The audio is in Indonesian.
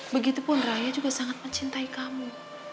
begitupun raya juga sangat mencintai kamu